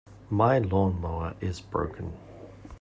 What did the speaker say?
My lawn-mower is broken.